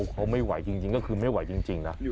เขาไม่ไหวจริงก็คือไม่ไหวจริงนะ